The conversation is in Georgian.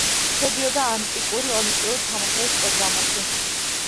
შედიოდა ანტიკური ოლიმპიური თამაშების პროგრამაში.